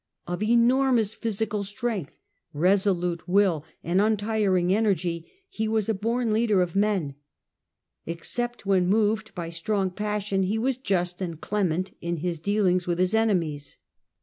Of enormous physi ical strength, resolute will and untiring energy, he was a bom leader of men. Except when moved by strong j passion, he was just and clement in his dealings with his enemies.